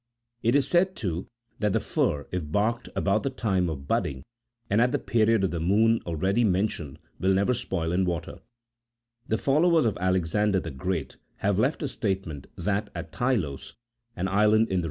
It is said, too, that the fir, if barked about the time of bud ding, and at the period of the moon already mentioned,41 will never spoil in water. The followers of Alexander the Great have left a statement that, at Tylos, an island in the Red Sea, 37 A variety of the oak. See c. 6 of this Book.